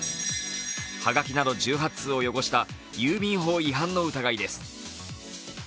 葉書など１８通を汚した郵便法違反の疑いです。